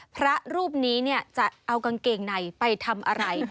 พระรูปนี้จะเอากางเกงในไปทำอะไร